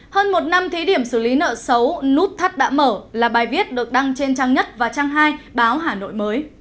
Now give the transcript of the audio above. hơn một năm thí điểm xử lý nợ xấu nút thắt đã mở là bài viết được đăng trên trang nhất và trang hai báo hà nội mới